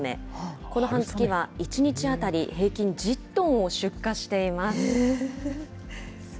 この半月は１日当たり平均１０トンを出荷しています。